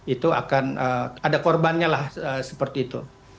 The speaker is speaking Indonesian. itu akan ada korbannya lah seperti itu